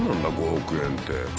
５億円って。